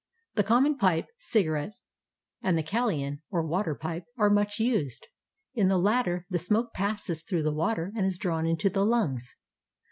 The common pipe, cigarettes, and the kalean or water pipe are much used. In the latter the smoke passes through the water and is drawn into the lungs.